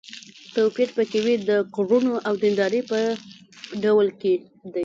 توپير په کې وي د کړنو او د دیندارۍ په ډول کې دی.